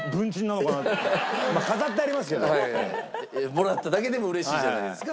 もらっただけでも嬉しいじゃないですか。